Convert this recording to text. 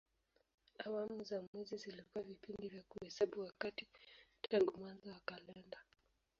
Awamu za mwezi zilikuwa vipindi vya kuhesabu wakati tangu mwanzo wa kalenda.